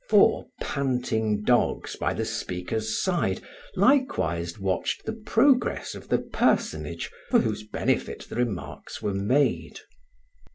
Four panting dogs by the speaker's side likewise watched the progress of the personage for whose benefit the remarks were made.